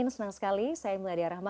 senang sekali saya meladia rahma